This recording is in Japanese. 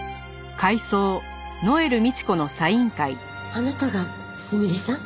あなたがすみれさん？